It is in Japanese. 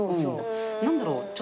何だろう。